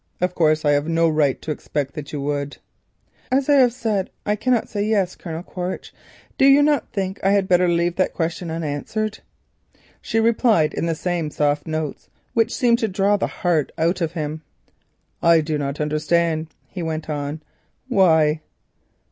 Of course, I have no right to expect that you would." "As I have said that I cannot say 'yes,' Colonel Quaritch, do you not think that I had better leave that question unanswered?" she replied in the same soft notes which seemed to draw the heart out of him. "I do not understand," he went on. "Why?"